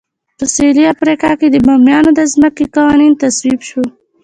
په سوېلي افریقا کې د بومیانو د ځمکو قانون تصویب شو.